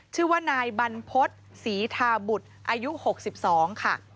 ชื่อว่านายบรรพฤษศรีธาบุตรอายุ๖๒ค่ะ